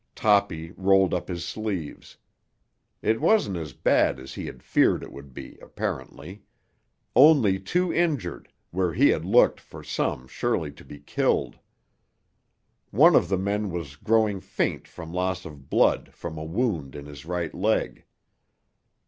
Toppy rolled up his sleeves. It wasn't as bad as he had feared it would be, apparently; only two injured, where he had looked for some surely to be killed. One of the men was growing faint from loss of blood from a wound in his right leg.